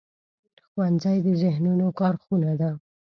ښوونځی د ذهنونو کارخونه ده